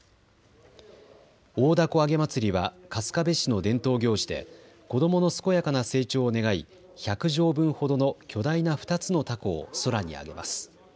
大凧あげ祭りは春日部市の伝統行事で子どもの健やかな成長を願い１００畳分ほどの巨大な２つのたこを空に揚げます。